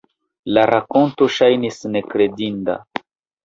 La rakonto ŝajnis nekredinda.